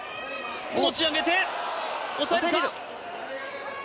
持ち上げて、抑えるか。